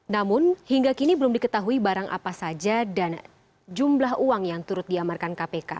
namun hingga kini belum diketahui barang apa saja dan jumlah uang yang turut diamarkan kpk